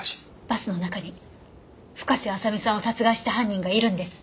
バスの中に深瀬麻未さんを殺害した犯人がいるんです。